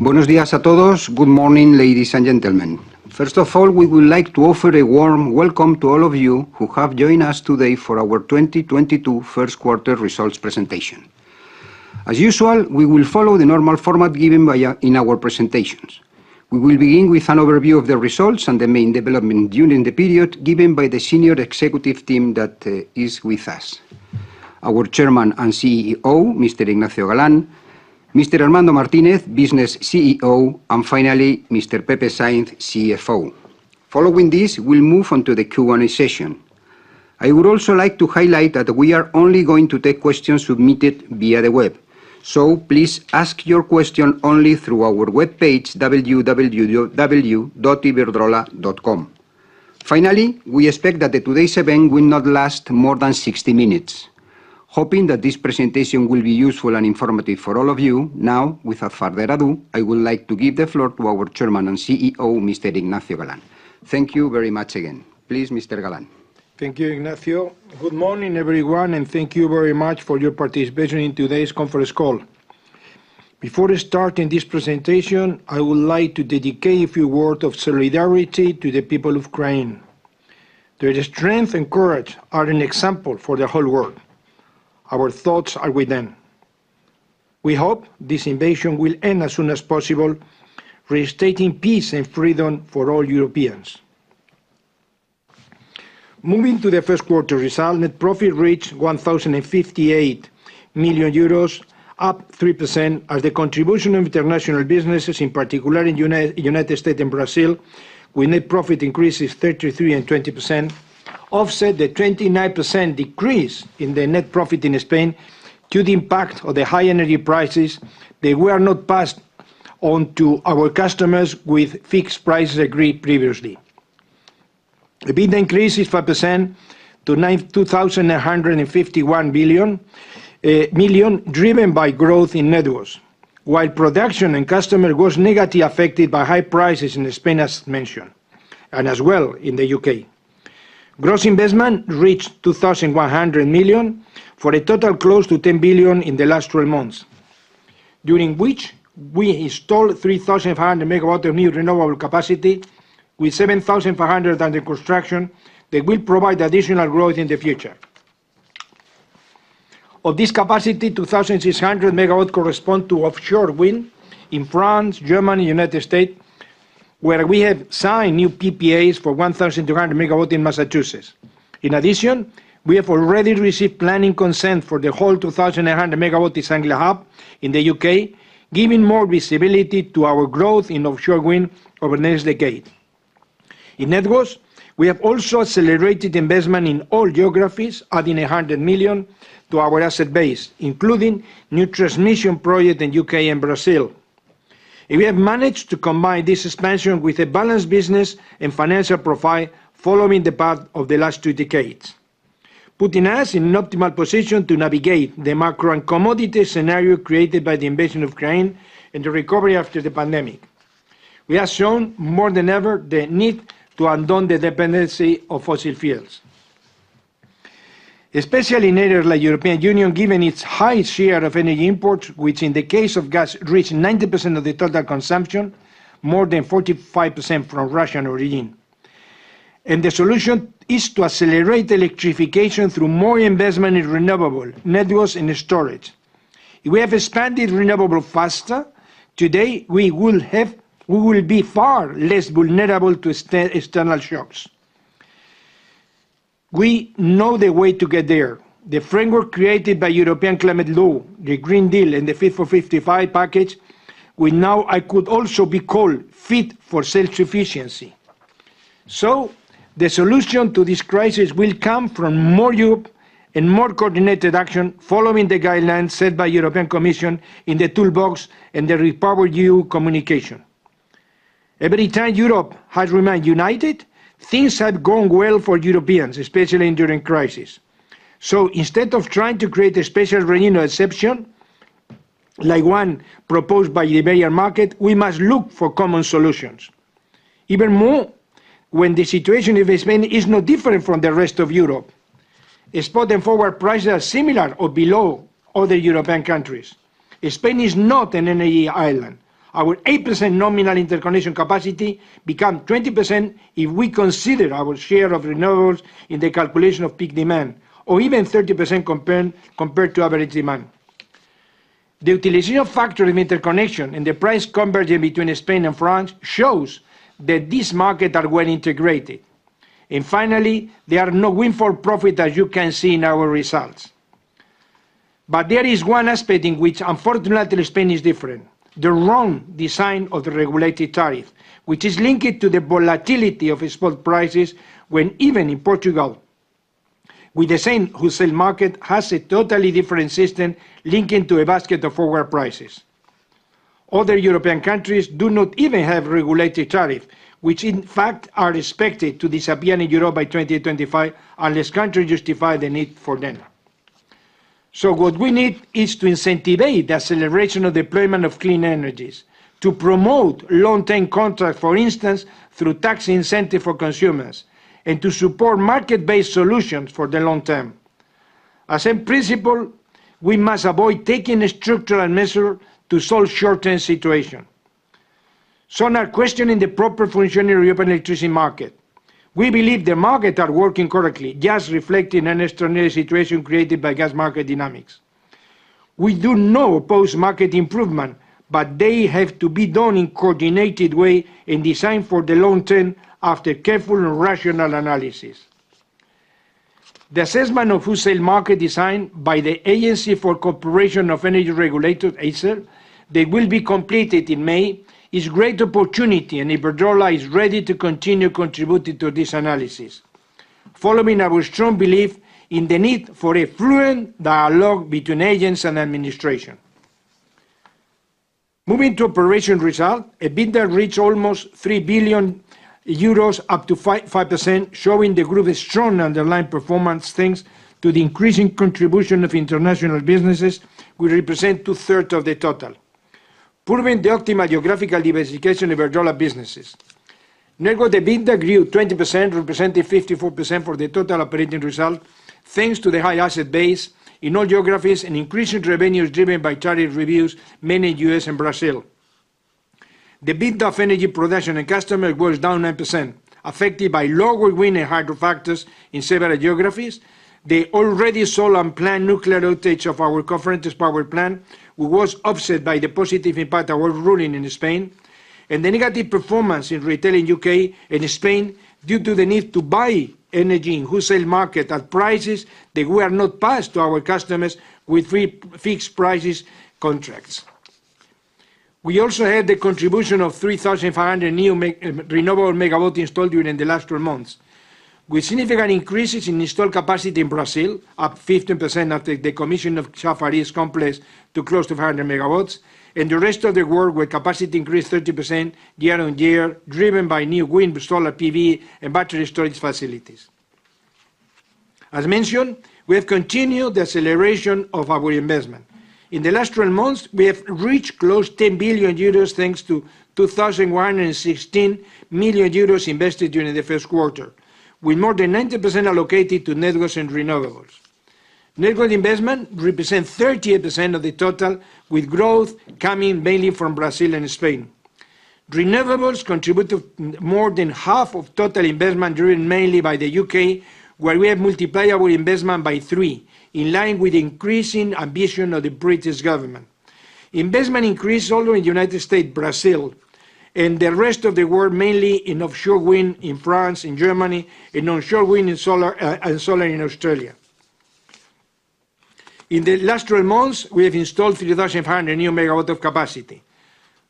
Buenos días a todos. Good morning, ladies and gentlemen. First of all, we would like to offer a warm welcome to all of you who have joined us today for our 2022 first quarter results presentation. As usual, we will follow the normal format given by in our presentations. We will begin with an overview of the results and the main development during the period given by the senior executive team that is with us. Our Chairman and CEO, Mr. Ignacio Galán, Mr. Armando Martínez, Business CEO, and finally, Mr. Pepe Sáinz, CFO. Following this, we'll move on to the Q&A session. I would also like to highlight that we are only going to take questions submitted via the web. Please ask your question only through our webpage, www.iberdrola.com. Finally, we expect that today's event will not last more than 60 minutes. Hoping that this presentation will be useful and informative for all of you, now, without further ado, I would like to give the floor to our Chairman and CEO, Mr. Ignacio Galán. Thank you very much again. Please, Mr. Galán. Thank you, Ignacio. Good morning, everyone, and thank you very much for your participation in today's conference call. Before starting this presentation, I would like to dedicate a few words of solidarity to the people of Ukraine. Their strength and courage are an example for the whole world. Our thoughts are with them. We hope this invasion will end as soon as possible, reinstating peace and freedom for all Europeans. Moving to the first quarter result, net profit reached 1,058 million euros, up 3% as the contribution of international businesses, in particular in United States and Brazil, where net profit increases 33% and 20%, offset the 29% decrease in the net profit in Spain due to impact of the high energy prices that were not passed on to our customers with fixed prices agreed previously. EBITDA increases 5% to 2,151 million, driven by growth in networks. While production and customer was negatively affected by high prices in Spain as mentioned, and as well in the U.K. Gross investment reached 2,100 million, for a total close to 10 billion in the last three months, during which we installed 3,500 MW of new renewable capacity with 7,500 under construction that will provide additional growth in the future. Of this capacity, 2,600 MW correspond to offshore wind in France, Germany, U.S., where we have signed new PPAs for 1,200 MW in Massachusetts. In addition, we have already received planning consent for the whole 2,100 MW East Anglia Hub in the U.K., giving more visibility to our growth in offshore wind over the next decade. In networks, we have also accelerated investment in all geographies, adding 100 million to our asset base, including new transmission project in U.K. and Brazil. We have managed to combine this expansion with a balanced business and financial profile following the path of the last two decades, putting us in an optimal position to navigate the macro and commodity scenario created by the invasion of Ukraine and the recovery after the pandemic. We have shown more than ever the need to undo the dependency of fossil fuels, especially in areas like European Union, given its high share of energy imports, which in the case of gas, reach 90% of the total consumption, more than 45% from Russian origin. The solution is to accelerate electrification through more investment in renewable networks and storage. If we have expanded renewable faster, today we will be far less vulnerable to these external shocks. We know the way to get there. The framework created by European Climate Law, the Green Deal, and the Fit for 55 package will now and could also be called Fit for Self-Sufficiency. The solution to this crisis will come from more Europe and more coordinated action following the guidelines set by European Commission in the toolbox and the REPowerEU communication. Every time Europe has remained united, things have gone well for Europeans, especially during crisis. Instead of trying to create a special regional exception, like one proposed by the Iberian market, we must look for common solutions. Even more, when the situation in Spain is no different from the rest of Europe, spot and forward prices are similar or below other European countries. Spain is not an energy island. Our 8% nominal interconnection capacity become 20% if we consider our share of renewables in the calculation of peak demand, or even 30% compared to average demand. The utilization factor of interconnection and the price convergence between Spain and France shows that these markets are well integrated. Finally, there are no windfall profit as you can see in our results. There is one aspect in which unfortunately Spain is different. The wrong design of the regulated tariff, which is linked to the volatility of spot prices when even in Portugal, with the same wholesale market, has a totally different system linking to a basket of forward prices. Other European countries do not even have regulated tariff, which in fact are expected to disappear in Europe by 2025 unless countries justify the need for them. What we need is to incentivize the acceleration of deployment of clean energies, to promote long-term contract, for instance, through tax incentive for consumers, and to support market-based solutions for the long term. As in principle, we must avoid taking a structural measure to solve short-term situation. Some are questioning the proper functioning of European electricity market. We believe the market are working correctly, just reflecting an extraordinary situation created by gas market dynamics. We do not oppose market improvement, but they have to be done in coordinated way and designed for the long term after careful and rational analysis. The assessment of wholesale market design by the Agency for the Cooperation of Energy Regulators, ACER, that will be completed in May, is great opportunity, and Iberdrola is ready to continue contributing to this analysis following our strong belief in the need for a fluent dialogue between agents and administration. Moving to operating result, EBITDA reached almost 3 billion euros, up 5%, showing the group a strong underlying performance, thanks to the increasing contribution of international businesses, which represent two-thirds of the total, proving the optimal geographical diversification of Iberdrola businesses. Networks, the EBITDA grew 20%, representing 54% for the total operating result, thanks to the high asset base in all geographies and increasing revenues driven by tariff reviews, mainly U.S. and Brazil. The EBITDA of energy production and customer was down 9%, affected by lower wind and hydro factors in several geographies. The planned solar and nuclear outage of our Cofrentes power plant, which was offset by the positive impact of the ruling in Spain, and the negative performance in retail in the U.K. and Spain due to the need to buy energy in wholesale market at prices that were not passed to our customers with 3 fixed-price contracts. We also had the contribution of 3,500 new renewable MW installed during the last 12 months. With significant increases in installed capacity in Brazil, up 15% after the commissioning of Chafariz complex close to 500 MW, and the rest of the world where capacity increased 30% year-on-year, driven by new wind, solar PV, and battery storage facilities. As mentioned, we have continued the acceleration of our investment. In the last 12 months, we have reached close to 10 billion euros, thanks to 2,016 million euros invested during the first quarter, with more than 90% allocated to networks and renewables. Network investment represents 38% of the total, with growth coming mainly from Brazil and Spain. Renewables contribute to more than half of total investment, driven mainly by the U.K., where we have multiplied our investment by three, in line with increasing ambition of the British government. Investment increased also in the United States, Brazil, and the rest of the world, mainly in offshore wind in France and Germany, and onshore wind and solar in Australia. In the last 12 months, we have installed 3,500 new MW of capacity.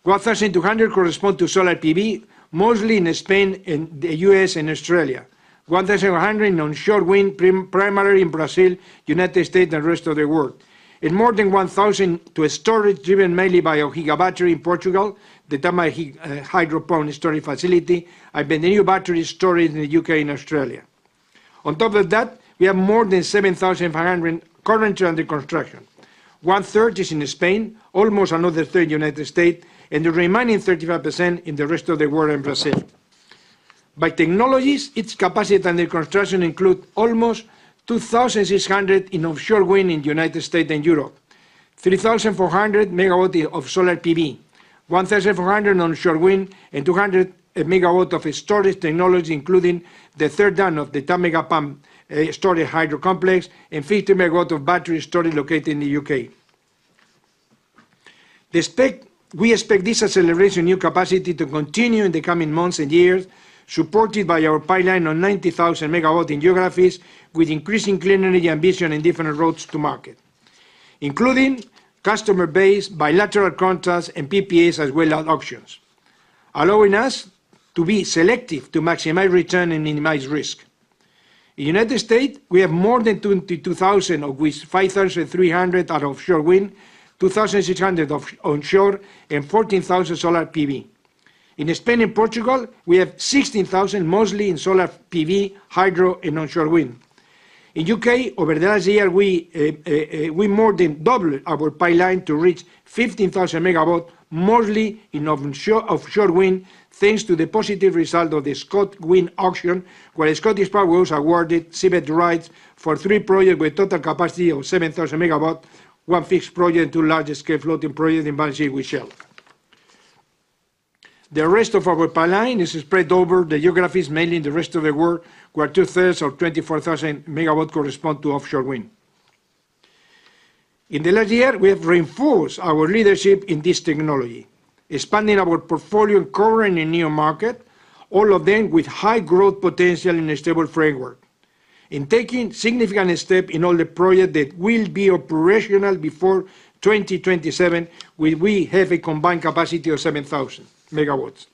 1,200 correspond to solar PV, mostly in Spain and the U.S. and Australia. 1,100 in onshore wind, primarily in Brazil, United States, and the rest of the world. More than 1,000 to storage, driven mainly by our Gigabattery in Portugal, the Tâmega hydro pump and storage facility, and the new battery storage in the U.K. And Australia. On top of that, we have more than 7,500 currently under construction. One-third is in Spain, almost another third in United States, and the remaining 35% in the rest of the world and Brazil. By technologies, its capacity under construction includes almost 2,600 in offshore wind in the United States and Europe, 3,400 MW of solar PV, 1,400 in onshore wind, and 200 MW of storage technology, including the third unit of the Tâmega pump storage hydro complex, and 50 MW of battery storage located in the U.K. We expect this acceleration new capacity to continue in the coming months and years, supported by our pipeline of 90,000 MW in geographies with increasing clean energy ambition and different routes to market, including customer base, bilateral contracts, and PPAs, as well as auctions, allowing us to be selective to maximize return and minimize risk. In United States, we have more than 22,000, of which 5,300 are offshore wind, 2,600 onshore, and 14,000 solar PV. In Spain and Portugal, we have 16,000, mostly in solar PV, hydro, and onshore wind. In U.K., over the last year, we more than doubled our pipeline to reach 15,000 MW, mostly in offshore wind, thanks to the positive result of the ScotWind auction, where ScottishPower was awarded seabed rights for three projects with total capacity of 7,000 MW, one fixed project, two large-scale floating projects in partnership with Shell. The rest of our pipeline is spread over the geographies, mainly in the rest of the world, where two-thirds or 24,000 MW correspond to offshore wind. In the last year, we have reinforced our leadership in this technology, expanding our portfolio coverage in new markets, all of them with high growth potential and a stable framework. We've taken significant steps in all the projects that will be operational before 2027. We have a combined capacity of 7,000 MW.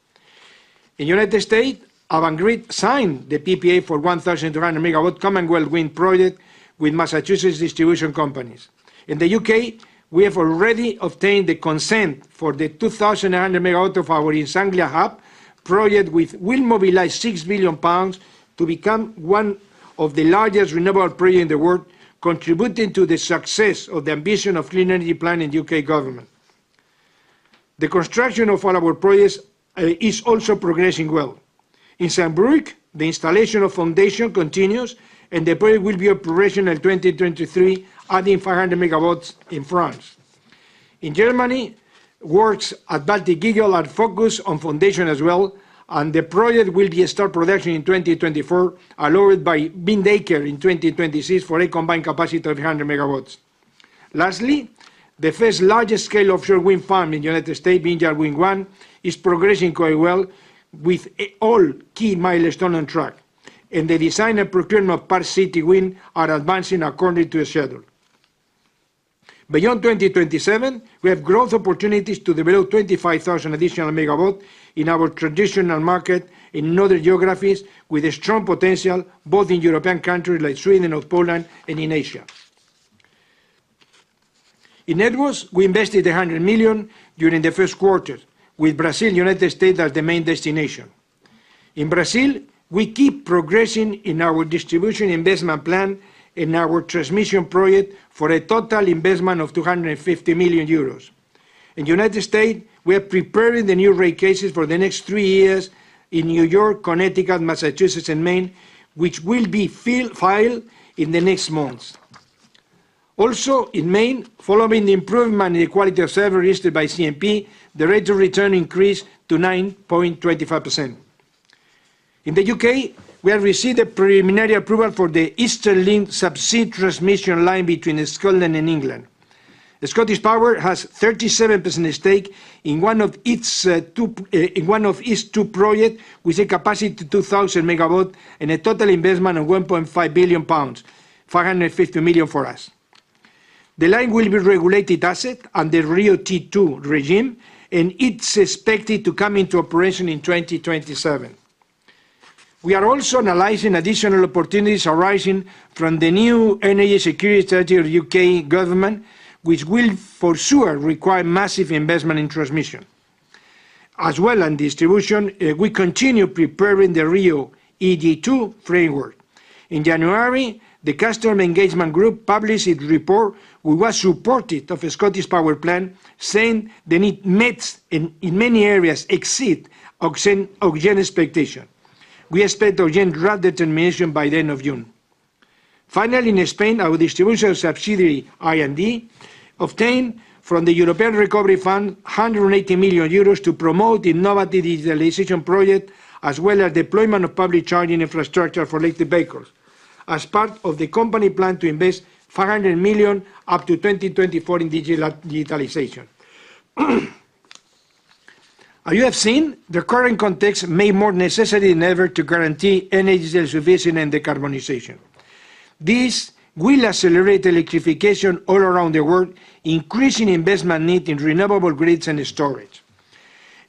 In the U.S., Avangrid signed the PPA for 1,300 MW Commonwealth Wind project with Massachusetts distribution companies. In the U.K., we have already obtained the consent for the 2,100 MW of our East Anglia Hub project, which will mobilize 6 billion pounds to become one of the largest renewable project in the world, contributing to the success of the ambition of clean energy plan in U.K. government. The construction of all our projects is also progressing well. In Saint-Brieuc, the installation of foundation continues, and the project will be operational in 2023, adding 500 MW in France. In Germany, works at Baltic Eagle are focused on foundation as well, and the project will start production in 2024, followed by Windanker in 2026 for a combined capacity of 300 MW. Lastly, the first large-scale offshore wind farm in U.S., Vineyard Wind 1, is progressing quite well with all key milestones on track. The design and procurement of Park City Wind are advancing according to the schedule. Beyond 2027, we have growth opportunities to develop 25,000 additional MW in our traditional market, in other geographies with a strong potential, both in European countries like Sweden or Poland and in Asia. In networks, we invested 100 million during the first quarter with Brazil, United States as the main destination. In Brazil, we keep progressing in our distribution investment plan and our transmission project for a total investment of 250 million euros. In the United State, we are preparing the new rate cases for the next three years in New York, Connecticut, Massachusetts, and Maine, which will be filed in the next months. Also, in Maine, following the improvement in the quality of service raised by CMP, the rate of return increased to 9.25%. In the U.K., we have received a preliminary approval for the Eastern Green Link subsea transmission line between Scotland and England. ScottishPower has 37% stake in one of its two projects with a capacity of 2,000 MW and a total investment of 1.5 billion pounds, 550 million for us. The line will be regulated asset under RIIO-T2 regime, and it's expected to come into operation in 2027. We are also analyzing additional opportunities arising from the new energy security strategy of U.K. government, which will for sure require massive investment in transmission. As well as distribution, we continue preparing the RIIO-ED2 framework. In January, the Customer Engagement Group published its report. We was supportive of the ScottishPower plan, saying the needs met in many areas exceed Ofgem expectations. We expect Ofgem draft determination by the end of June. Finally, in Spain, our distribution subsidiary, i-DE, obtained from the European Recovery Fund, 180 million euros to promote innovative digitalization project, as well as deployment of public charging infrastructure for electric vehicles. As part of the company plan to invest 500 million up to 2024 in digitalization. As you have seen, the current context made more necessary than ever to guarantee energy self-sufficiency and decarbonization. This will accelerate electrification all around the world, increasing investment need in renewable grids and storage.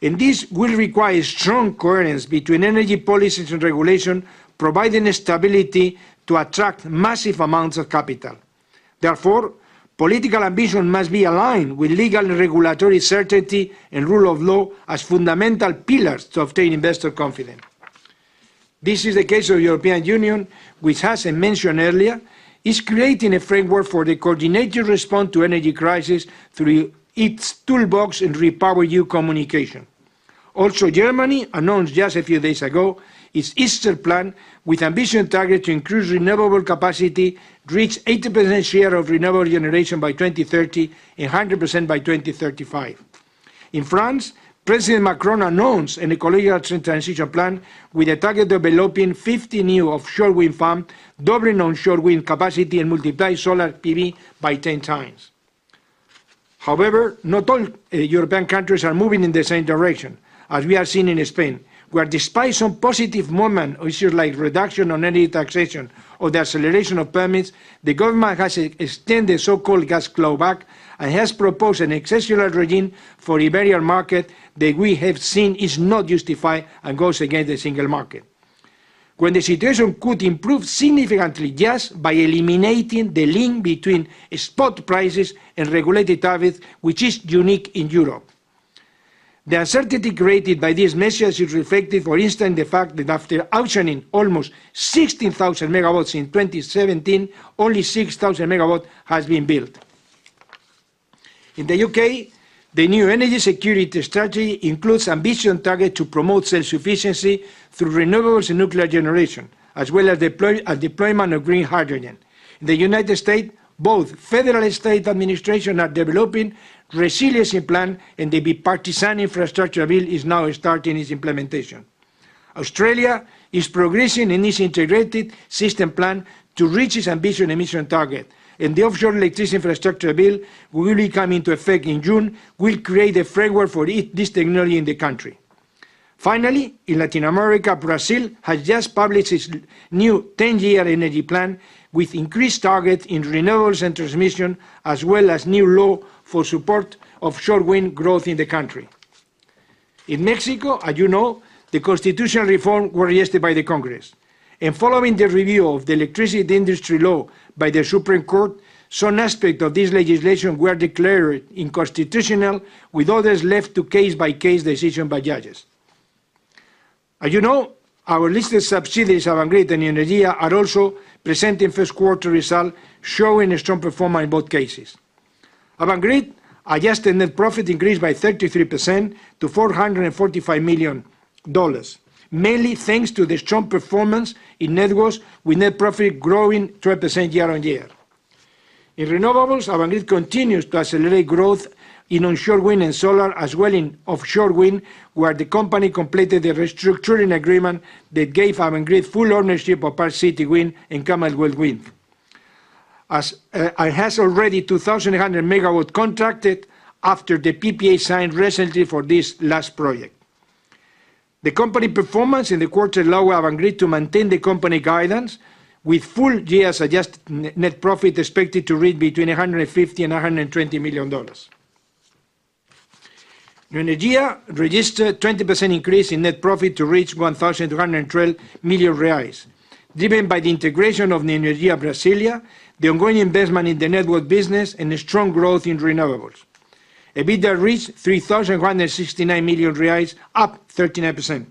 This will require strong coherence between energy policies and regulation, providing stability to attract massive amounts of capital. Therefore, political ambition must be aligned with legal and regulatory certainty and rule of law as fundamental pillars to obtain investor confidence. This is the case of European Union, which, as I mentioned earlier, is creating a framework for the coordinated response to energy crisis through its Toolbox and REPowerEU communication. Also, Germany announced just a few days ago its Easter Package with ambitious target to increase renewable capacity to reach 80% share of renewable generation by 2030 and 100% by 2035. In France, President Macron announced an ecological transition plan with a target developing 50 new offshore wind farm, doubling onshore wind capacity and multiply solar PV by 10 times. However, not all European countries are moving in the same direction, as we are seeing in Spain, where despite some positive momentum, issues like reduction on energy taxation or the acceleration of permits, the government has extended so-called gas clawback and has proposed an exceptional regime for Iberian market that we have seen is not justified and goes against the single market, when the situation could improve significantly just by eliminating the link between spot prices and regulated tariff, which is unique in Europe. The uncertainty created by these measures is reflected, for instance, in the fact that after auctioning almost 16,000 MW in 2017, only 6,000 MW has been built. In the U.K., the new energy security strategy includes ambitious target to promote self-sufficiency through renewables and nuclear generation, as well as deployment of green hydrogen. The United States, both federal and state administration are developing resiliency plan, and the bipartisan infrastructure bill is now starting its implementation. Australia is progressing in its integrated system plan to reach its ambitious emission target, and the Offshore Electricity Infrastructure Bill will be coming into effect in June and will create a framework for this technology in the country. Finally, in Latin America, Brazil has just published its new ten-year energy plan with increased targets in renewables and transmission, as well as new law for support offshore wind growth in the country. In Mexico, as you know, the constitutional reform were raised by the Congress. Following the review of the Electricity Industry Law by the Supreme Court, some aspects of this legislation were declared unconstitutional, with others left to case-by-case decisions by judges. As you know, our listed subsidiaries, Avangrid and Neoenergia, are also presenting first quarter results, showing a strong performance in both cases. Avangrid adjusted net profit increased by 33% to $445 million, mainly thanks to the strong performance in networks with net profit growing 12% year-on-year. In renewables, Avangrid continues to accelerate growth in onshore wind and solar, as well as in offshore wind, where the company completed a restructuring agreement that gave Avangrid full ownership of Park City Wind and Commonwealth Wind. It has already 2,100 MW contracted after the PPA signed recently for this last project. The company performance in the quarter allows Avangrid to maintain the company guidance with full-year adjusted net profit expected to range between $120 million and $150 million. Neoenergia registered 20% increase in net profit to reach 1,212 million reais, driven by the integration of Neoenergia Brasília, the ongoing investment in the network business, and a strong growth in renewables. EBITDA reached 3,169 million reais, up 39%.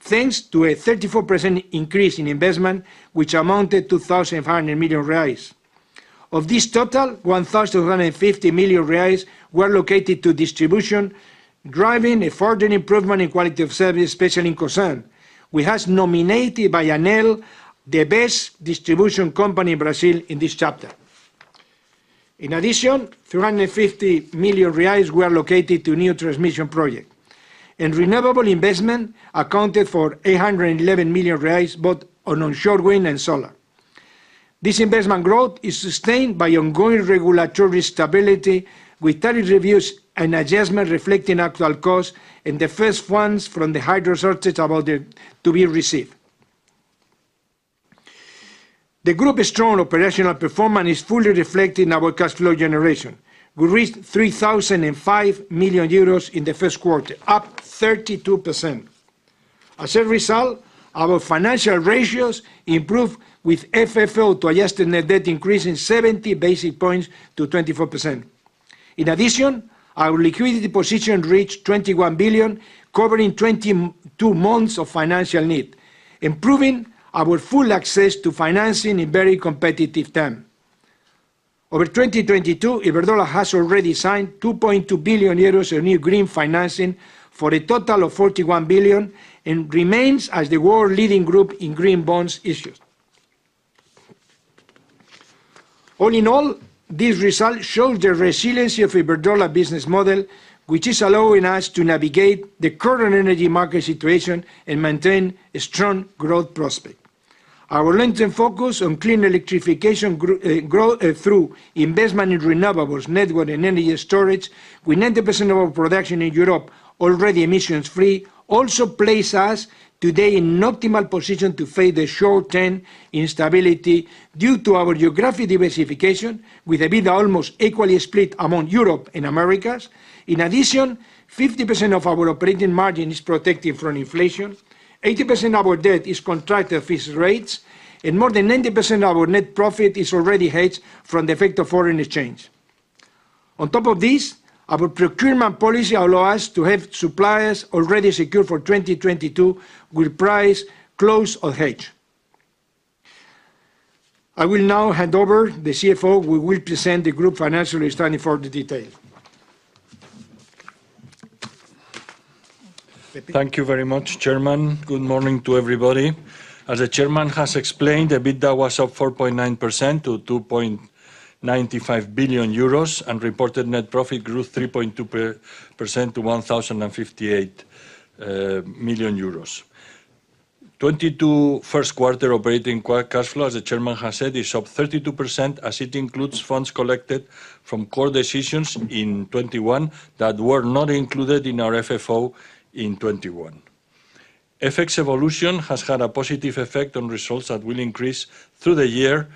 Thanks to a 34% increase in investment which amounted to 1,100 million reais. Of this total, 1,250 million reais were allocated to distribution, driving a further improvement in quality of service, especially in Cosern, which was nominated by ANEEL, the best distribution company in Brazil in this chapter. In addition, 350 million reais were allocated to new transmission project. Renewable investment accounted for 811 million reais, both on onshore wind and solar. This investment growth is sustained by ongoing regulatory stability with tariff reviews and adjustment reflecting actual cost and the first ones from the hydro resources are about to be received. The group's strong operational performance is fully reflected in our cash flow generation. We reached 3,005 million euros in the first quarter, up 32%. As a result, our financial ratios improve with FFO to adjusted net debt increase in 70 basis points to 24%. In addition, our liquidity position reached 21 billion, covering 22 months of financial need, improving our full access to financing in very competitive terms. Over 2022, Iberdrola has already signed 2.2 billion euros in new green financing for a total of 41 billion, and remains as the world leading group in green bonds issued. All in all, this result shows the resiliency of Iberdrola's business model, which is allowing us to navigate the current energy market situation and maintain a strong growth prospect. Our long-term focus on clean electrification grow through investment in renewables, network, and energy storage, with 90% of our production in Europe already emissions free, also place us today in optimal position to face the short-term instability due to our geographic diversification with EBITDA almost equally split among Europe and Americas. In addition, 50% of our operating margin is protected from inflation, 80% of our debt is contracted fixed rates, and more than 90% of our net profit is already hedged from the effect of foreign exchange. On top of this, our procurement policy allow us to have suppliers already secured for 2022 with prices closed or hedged. I will now hand over to the CFO, who will present the group financial standing in detail. Thank you very much, Chairman. Good morning to everybody. As the Chairman has explained, the EBITDA was up 4.9% to 2.95 billion euros, and reported net profit grew 3.2% to 1,058 million euros. 2022 first quarter operating cash flow, as the Chairman has said, is up 32% as it includes funds collected from court decisions in 2021 that were not included in our FFO in 2021. FX evolution has had a positive effect on results that will increase through the year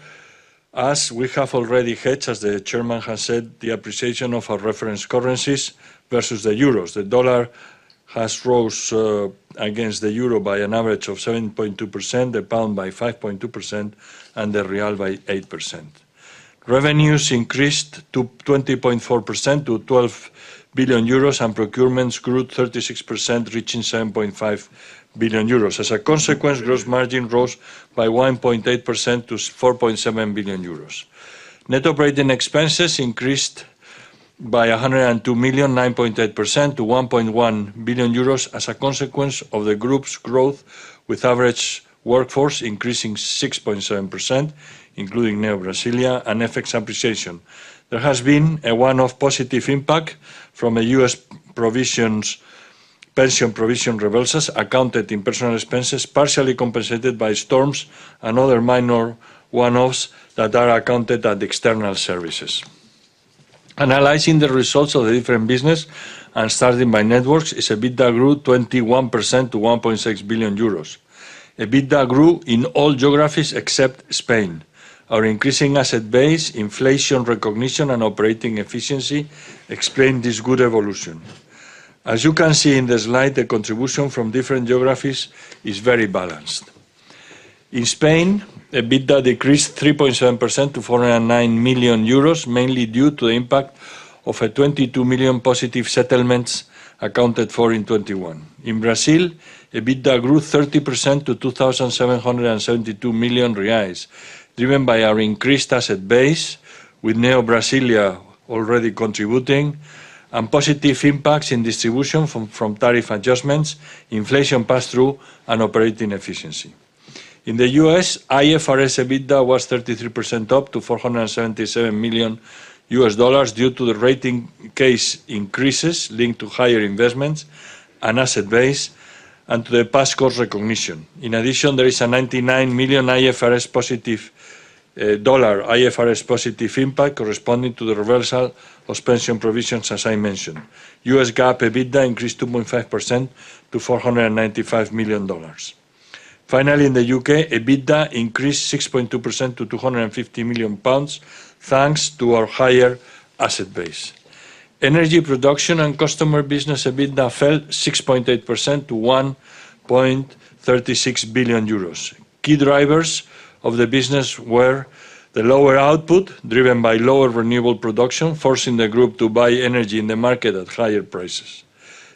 as we have already hedged, as the Chairman has said, the appreciation of our reference currencies versus the euros. The dollar has rose against the euro by an average of 7.2%, the pound by 5.2%, and the real by 8%. Revenues increased 20.4% to 12 billion euros, and procurements grew 36%, reaching 7.5 billion euros. As a consequence, gross margin rose 1.8% to 4.7 billion euros. Net operating expenses increased by 102 million, 9.8% to 1.1 billion euros as a consequence of the group's growth, with average workforce increasing 6.7%, including Neoenergia Brasília and FX appreciation. There has been a one-off positive impact from U.S. provisions, pension provision reversals accounted in personnel expenses, partially compensated by storms and other minor one-offs that are accounted at external services. Analyzing the results of the different businesses and starting by networks, its EBITDA grew 21% to 1.6 billion euros. EBITDA grew in all geographies except Spain. Our increasing asset base, inflation recognition, and operating efficiency explain this good evolution. As you can see in the slide, the contribution from different geographies is very balanced. In Spain, EBITDA decreased 3.7% to 409 million euros, mainly due to the impact of a 22 million positive settlements accounted for in 2021. In Brazil, EBITDA grew 30% to 2,772 million reais, driven by our increased asset base, with Neoenergia Brasília already contributing and positive impacts in distribution from tariff adjustments, inflation passed through and operating efficiency. In the U.S., IFRS EBITDA was 33% up to $477 million due to the rate case increases linked to higher investments and asset base and to the passthrough recognition. In addition, there is a $99 million IFRS positive dollar IFRS positive impact corresponding to the reversal of pension provisions, as I mentioned. U.S. GAAP EBITDA increased 2.5% to $495 million. Finally, in the U.K., EBITDA increased 6.2% to 250 million pounds, thanks to our higher asset base. Energy production and customer business EBITDA fell 6.8% to 1.36 billion euros. Key drivers of the business were the lower output driven by lower renewable production, forcing the group to buy energy in the market at higher prices.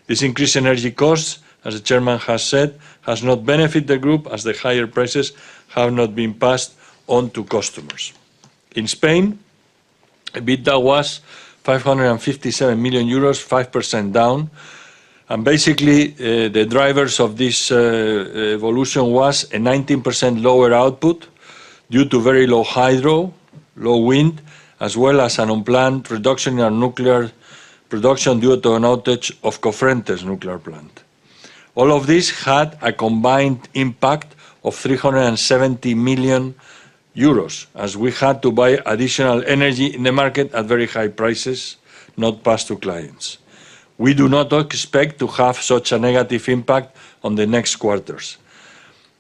This increased energy costs, as the Chairman has said, has not benefit the group as the higher prices have not been passed on to customers. In Spain, EBITDA was EUR 557 million, 5% down. Basically, the drivers of this evolution was a 19% lower output due to very low hydro, low wind, as well as an unplanned reduction in our nuclear production due to an outage of Cofrentes nuclear plant. All of this had a combined impact of 370 million euros, as we had to buy additional energy in the market at very high prices not passed to clients. We do not expect to have such a negative impact on the next quarters.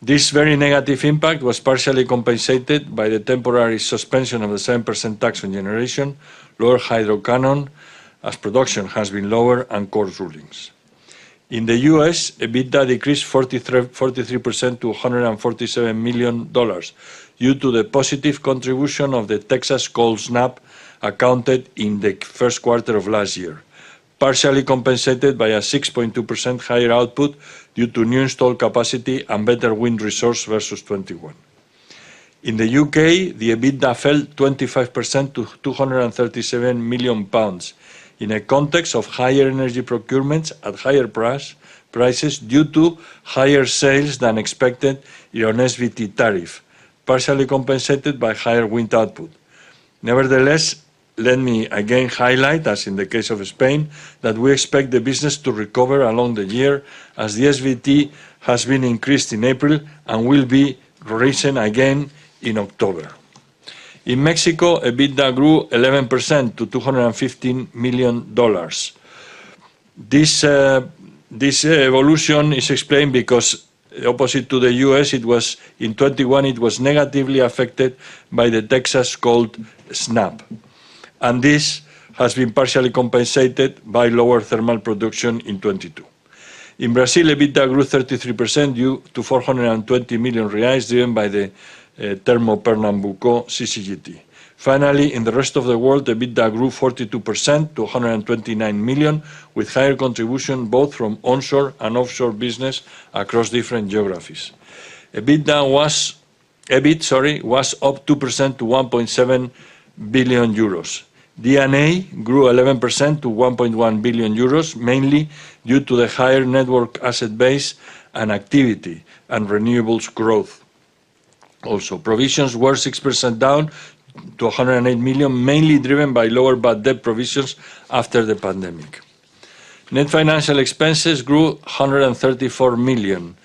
This very negative impact was partially compensated by the temporary suspension of the 7% tax on generation, lower hydro canon, as production has been lower and court rulings. In the U.S., EBITDA decreased 43% to $147 million due to the positive contribution of the Texas cold snap accounted in the first quarter of last year, partially compensated by a 6.2% higher output due to new installed capacity and better wind resource versus 2021. In the U.K., the EBITDA fell 25% to 237 million pounds in a context of higher energy procurements at higher prices due to higher sales than expected in our SVT tariff, partially compensated by higher wind output. Nevertheless, let me again highlight, as in the case of Spain, that we expect the business to recover along the year as the SVT has been increased in April and will be risen again in October. In Mexico, EBITDA grew 11% to $215 million. This evolution is explained because opposite to the U.S., it was in 2021 negatively affected by the Texas cold snap. This has been partially compensated by lower thermal production in 2022. In Brazil, EBITDA grew 33% due to 420 million reais, driven by the Termopernambuco CCGT. Finally, in the rest of the world, EBITDA grew 42% to 129 million, with higher contribution both from onshore and offshore business across different geographies. EBITDA was -- EBIT was up 2% to 1.7 billion euros. D&A grew 11% to 1.1 billion euros, mainly due to the higher network asset base and activity and renewables growth. Also, provisions were 6% down to 108 million, mainly driven by lower bad debt provisions after the pandemic. Net financial expenses grew 134 million-399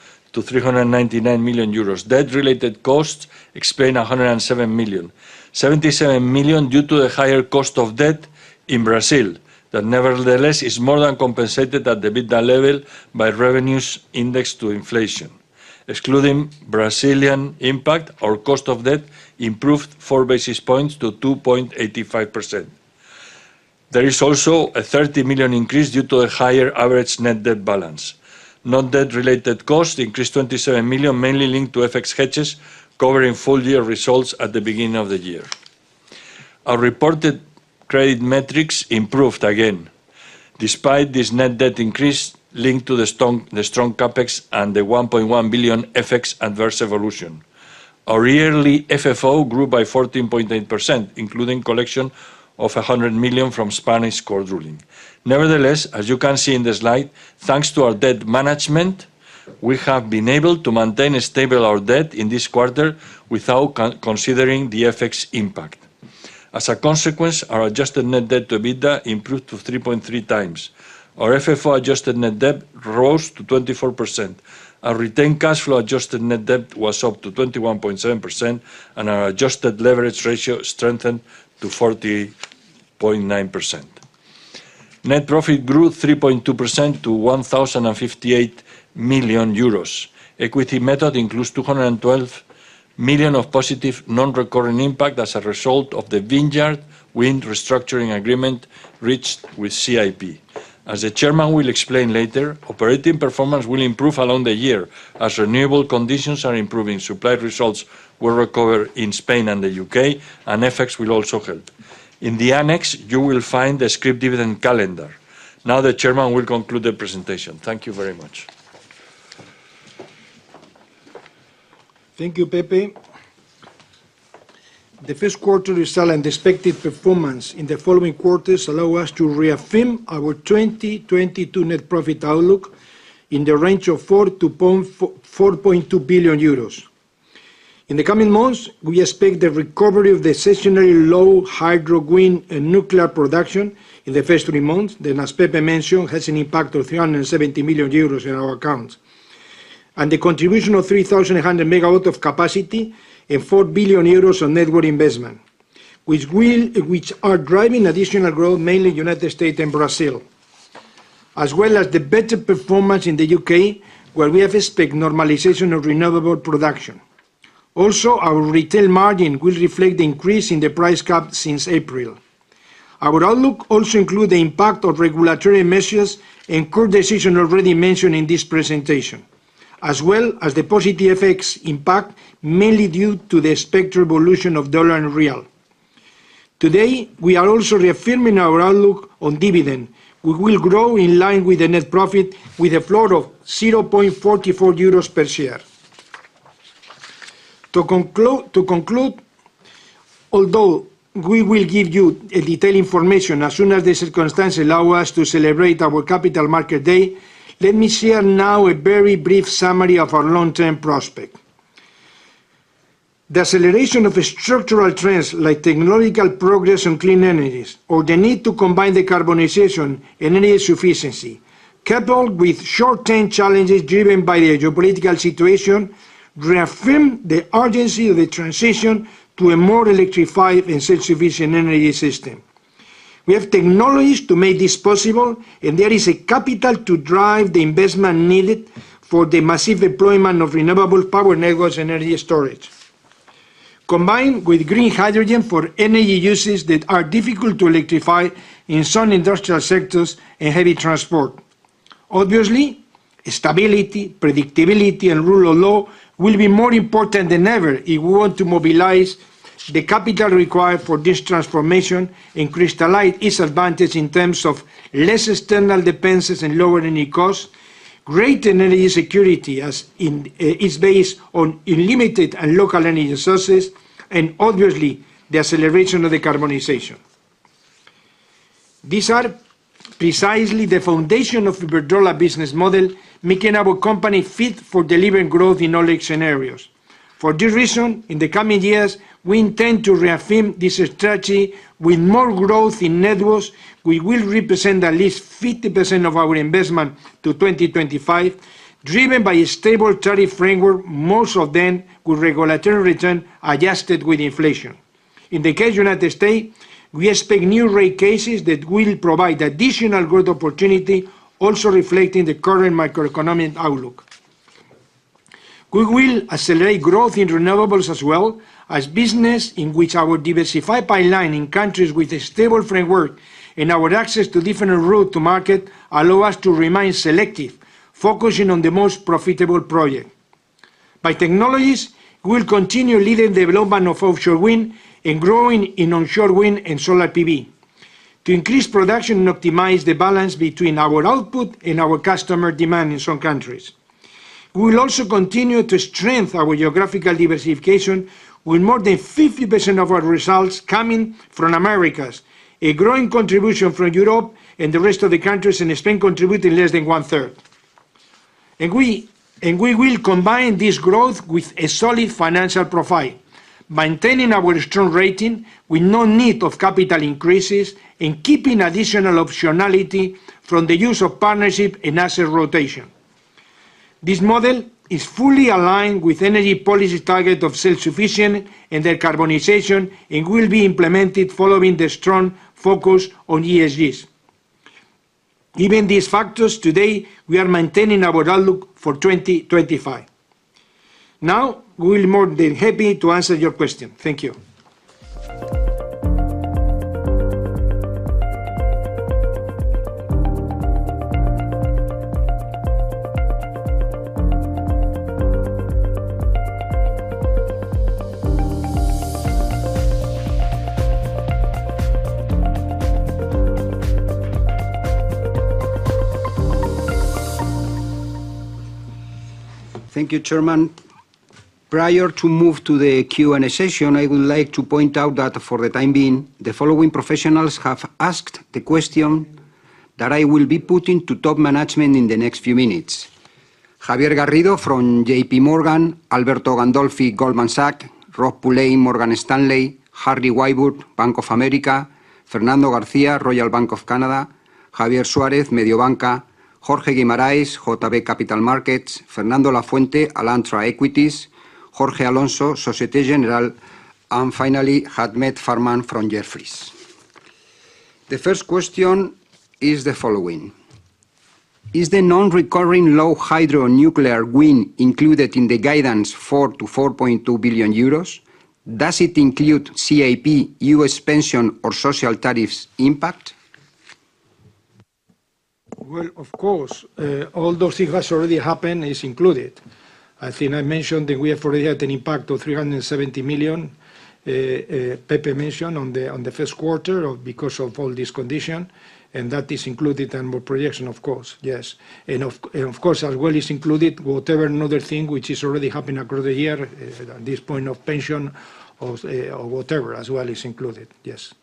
million euros. Debt-related costs explained 107 million. 77 million due to the higher cost of debt in Brazil. That nevertheless is more than compensated at the EBITDA level by revenues indexed to inflation. Excluding Brazilian impact on cost of debt improved four basis points to 2.85%. There is also a 30 million increase due to a higher average net debt balance. Non-debt-related costs increased 27 million, mainly linked to FX hedges, covering full year results at the beginning of the year. Our reported credit metrics improved again. Despite this net debt increase linked to the strong CapEx and the 1.1 billion FX adverse evolution. Our yearly FFO grew by 14.8%, including collection of 100 million from Spanish court ruling. Nevertheless, as you can see in the slide, thanks to our debt management, we have been able to maintain stable our debt in this quarter without considering the FX impact. As a consequence, our adjusted net debt to EBITDA improved to 3.3 times. Our FFO adjusted net debt rose to 24%. Our retained cash flow adjusted net debt was up to 21.7%, and our adjusted leverage ratio strengthened to 40.9%. Net profit grew 3.2% to 1,058 million euros. Equity method includes 212 million of positive non-recurring impact as a result of the Vineyard Wind restructuring agreement reached with CIP. As the Chairman will explain later, operating performance will improve along the year as renewable conditions are improving. Supply results will recover in Spain and the U.K., and FX will also help. In the annex, you will find the scrip dividend calendar. Now the Chairman will conclude the presentation. Thank you very much. Thank you, Pepe. The first quarter result and expected performance in the following quarters allow us to reaffirm our 2022 net profit outlook in the range of 4 billion-4.2 billion euros. In the coming months, we expect the recovery of the seasonally low hydro green and nuclear production in the first three months that, as Pepe mentioned, has an impact of 370 million euros in our accounts. The contribution of 3,100 MW of capacity and 4 billion euros on network investment, which are driving additional growth, mainly U.S. and Brazil. As well as the better performance in the U.K. where we expect normalization of renewable production. Also, our retail margin will reflect the increase in the price cap since April. Our outlook also include the impact of regulatory measures and court decision already mentioned in this presentation, as well as the positive FX impact, mainly due to the expected evolution of dollar and real. Today, we are also reaffirming our outlook on dividend. We will grow in line with the net profit with a floor of 0.44 euros per share. To conclude, although we will give you a detailed information as soon as the circumstances allow us to celebrate our capital market day, let me share now a very brief summary of our long-term prospect. The acceleration of structural trends like technological progress on clean energies, or the need to combine decarbonization and energy sufficiency, coupled with short-term challenges driven by the geopolitical situation, reaffirm the urgency of the transition to a more electrified and self-sufficient energy system. We have technologies to make this possible, and there is capital to drive the investment needed for the massive deployment of renewable power networks and energy storage, combined with green hydrogen for energy uses that are difficult to electrify in some industrial sectors and heavy transport. Obviously, stability, predictability, and rule of law will be more important than ever if we want to mobilize the capital required for this transformation and crystallize its advantage in terms of less external dependence and lower energy costs, greater energy security as it is based on unlimited and local energy sources, and obviously the acceleration of decarbonization. These are precisely the foundation of Iberdrola's business model, making our company fit for delivering growth in all scenarios. For this reason, in the coming years, we intend to reaffirm this strategy with more growth in networks. We will represent at least 50% of our investment to 2025, driven by a stable tariff framework, most of them with regulatory return adjusted with inflation. In the case of United States, we expect new rate cases that will provide additional growth opportunity, also reflecting the current macroeconomic outlook. We will accelerate growth in renewables as well as business in which our diversified pipeline in countries with a stable framework and our access to different route to market allow us to remain selective, focusing on the most profitable project. By technologies, we will continue leading the development of offshore wind and growing in onshore wind and solar PV to increase production and optimize the balance between our output and our customer demand in some countries. We will also continue to strengthen our geographical diversification with more than 50% of our results coming from Americas, a growing contribution from Europe and the rest of the countries, and Spain contributing less than one-third. We will combine this growth with a solid financial profile, maintaining our strong rating with no need of capital increases and keeping additional optionality from the use of partnership and asset rotation. This model is fully aligned with energy policy targets of self-sufficiency and decarbonization and will be implemented following the strong focus on ESG. Given these factors, today, we are maintaining our outlook for 2025. Now, we're more than happy to answer your question. Thank you. Thank you, Chairman. Prior to moving to the Q&A session, I would like to point out that for the time being, the following professionals have asked the question that I will be putting to top management in the next few minutes. Javier Garrido from JP Morgan, Alberto Gandolfi, Goldman Sachs, Rob Pulleyn, Morgan Stanley, Harry Wyburd, Bank of America, Fernando Garcia, Royal Bank of Canada, Javier Suarez, Mediobanca, Jorge Guimaraes, JB Capital Markets, Fernando Lafuente, Alantra Equities, Jorge Alonso, Societe Generale, and finally, Ahmed Farman from Jefferies. The first question is the following. Is the non-recurring low hydro nuclear wind included in the guidance 4 billion-4.2 billion euros? Does it include CIP, U.S. pension, or social tariffs impact? Well, of course, all those things has already happened is included. I think I mentioned that we have already had an impact of 370 million. Pepe mentioned in the first quarter because of all this condition, and that is included in our projection, of course. Yes. Of course, as well is included whatever another thing which is already happening across the year, this point of pension or whatever, as well is included. Yes.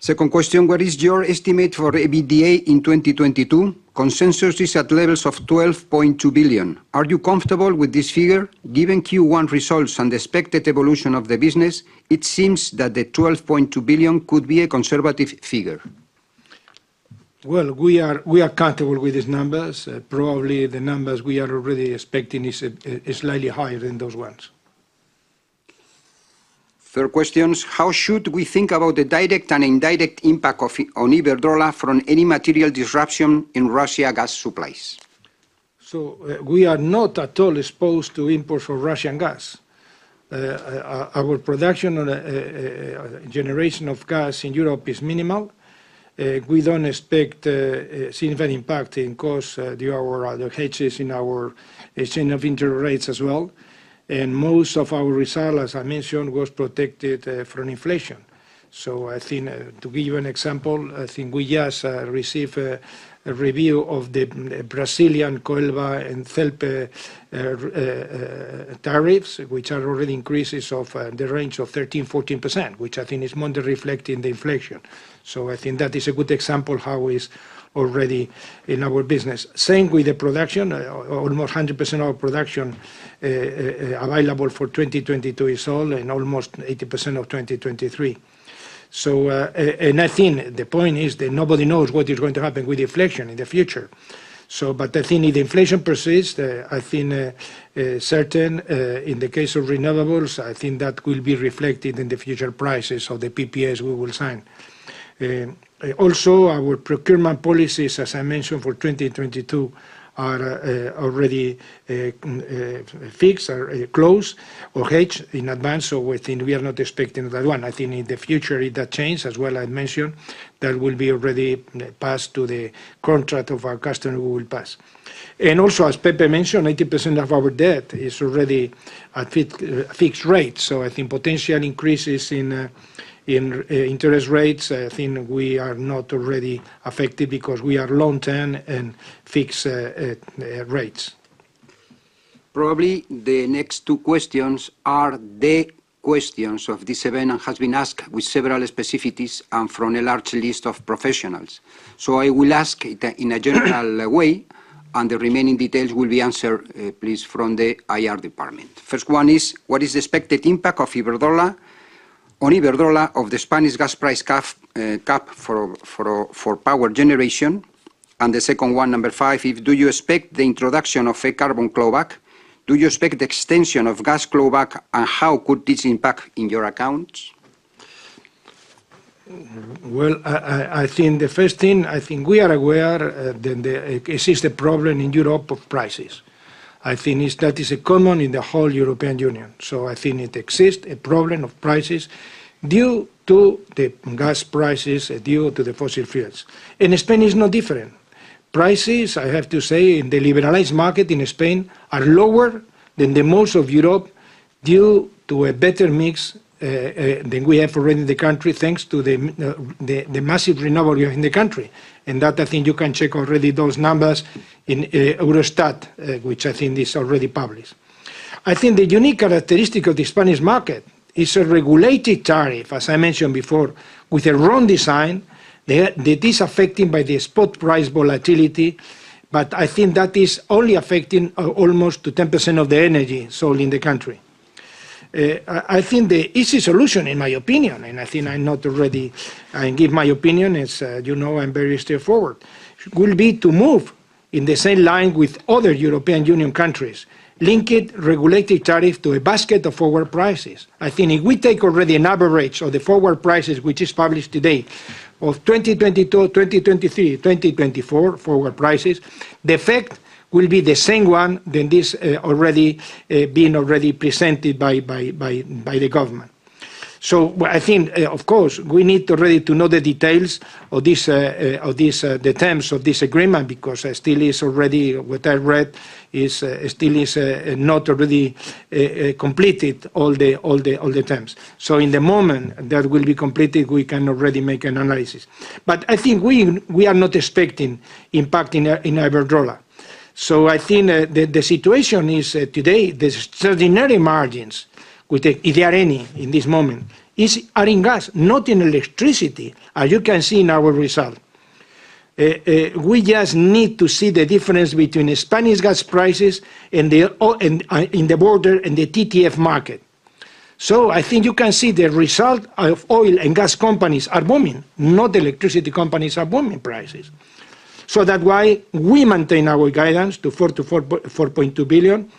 Second question: What is your estimate for EBITDA in 2022? Consensus is at levels of 12.2 billion. Are you comfortable with this figure? Given Q1 results and expected evolution of the business, it seems that the 12.2 billion could be a conservative figure. Well, we are comfortable with these numbers. Probably the numbers we are already expecting is slightly higher than those ones. Third question: How should we think about the direct and indirect impact on Iberdrola from any material disruption in Russian gas supplies? We are not at all exposed to imports of Russian gas. Our production and generation of gas in Europe is minimal. We don't expect significant impact in cost due to our other hedges in our FX and interest rates as well. Most of our result, as I mentioned, was protected from inflation. I think, to give you an example, I think we just received a review of the Brazilian Coelba and Celpe tariffs, which are already increases of the range of 13%-14%, which I think is mostly reflecting the inflation. I think that is a good example how is already in our business. Same with the production. Almost 100% of production available for 2022 is sold and almost 80% of 2023. I think the point is that nobody knows what is going to happen with inflation in the future. I think if the inflation persists, in the case of renewables, I think that will be reflected in the future prices of the PPAs we will sign. Also, our procurement policies, as I mentioned, for 2022 are already fixed or closed or hedged in advance. I think we are not expecting that one. I think in the future, if that changes, as well, as I mentioned, that will be already passed to the contracts of our customers. Also, as Pepe mentioned, 80% of our debt is already at fixed rates. I think potential increases in interest rates. I think we are not already affected because we are long-term and fixed rates. Probably the next two questions are the questions of this event and has been asked with several specificities and from a large list of professionals. I will ask it in a general way, and the remaining details will be answered, please, from the IR department. First one is: What is the expected impact on Iberdrola of the Spanish gas price cap for power generation? And the second one, number five, is: Do you expect the introduction of a carbon cap? Do you expect the extension of gas cap, and how could this impact in your accounts? Well, I think the first thing, I think we are aware, there exists the problem in Europe of prices. I think it is that it is common in the whole European Union. I think it exists, a problem of prices due to the gas prices due to the fossil fuels. In Spain, it's no different. Prices, I have to say, in the liberalized market in Spain are lower than most of Europe due to a better mix than we have already in the country, thanks to the massive renewables in the country. That I think you can already check those numbers in Eurostat, which I think is already published. I think the unique characteristic of the Spanish market is a regulated tariff, as I mentioned before, with the wrong design. It is affected by the spot price volatility, but I think that is only affecting almost 10% of the energy sold in the country. I think the easy solution in my opinion, and I think I'm not alone. I give my opinion, as you know, I'm very straightforward, will be to move in the same line with other European Union countries, link the regulated tariff to a basket of forward prices. I think if we take an average already of the forward prices, which is published today of 2022, 2023, 2024 forward prices, the effect will be the same as this already being presented by the government. What I think, of course, we need already to know the details of this, the terms of this agreement, because what I read is still not completed all the terms. In the moment that will be completed, we can already make an analysis. I think we are not expecting impact in Iberdrola. I think the situation is today, the extraordinary margins, if there are any in this moment, are in gas, not in electricity, as you can see in our result. We just need to see the difference between Spanish gas prices and the border and the TTF market. I think you can see the result of oil and gas companies are booming, not electricity companies are booming prices. That's why we maintain our guidance to 4 billion-4.2 billion.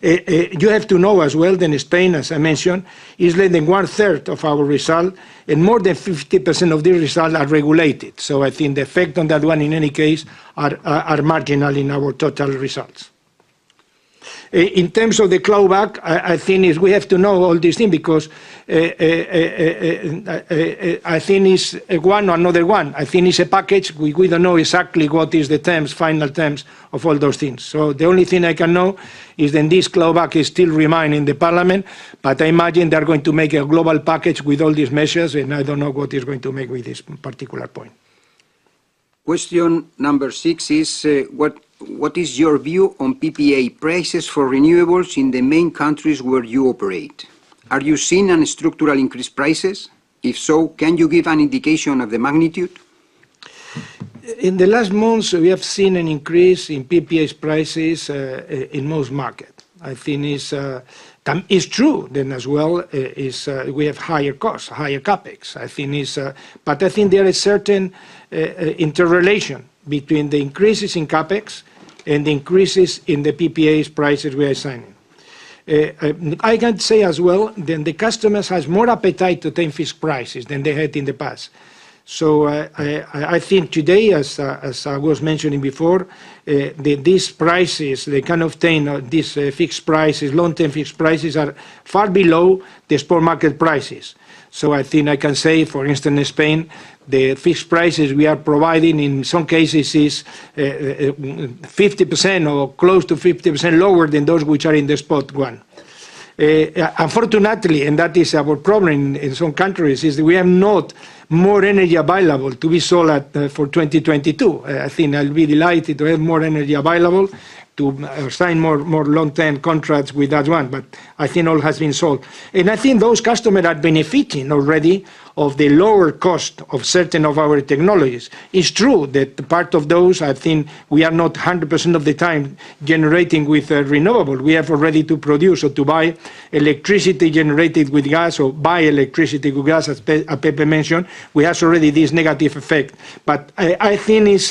You have to know as well that in Spain, as I mentioned, is less than one third of our result and more than 50% of the result are regulated. I think the effect on that one, in any case, are marginal in our total results. In terms of the clawback, I think we have to know all this thing because I think it's one or another one. I think it's a package. We don't know exactly what is the final terms of all those things. The only thing I can know is that this clawback is still remain in the parliament, but I imagine they're going to make a global package with all these measures, and I don't know what they're going to make with this particular point. Question number six is, what is your view on PPA prices for renewables in the main countries where you operate? Are you seeing any structural increased prices? If so, can you give an indication of the magnitude? In the last months, we have seen an increase in PPAs prices in most markets. I think it's time. It's true that as well we have higher costs, higher CapEx. I think there are certain interrelations between the increases in CapEx and the increases in the PPAs prices we are seeing. I can say as well that the customers have more appetite to take fixed prices than they had in the past. I think today, as I was mentioning before, these prices they can obtain, these fixed prices, long-term fixed prices are far below the spot market prices. I think I can say, for instance, in Spain, the fixed prices we are providing in some cases is 50% or close to 50% lower than those which are in the spot one. Unfortunately, that is our problem in some countries, is we have no more energy available to be sold at for 2022. I think I'll be delighted to have more energy available to sign more long-term contracts with that one, but I think all has been sold. I think those customers are benefiting already of the lower cost of certain of our technologies. It's true that part of those, I think we are not 100% of the time generating with renewable. We have already to produce or to buy electricity generated with gas or buy electricity with gas, as Pepe mentioned. We have already this negative effect. I think it's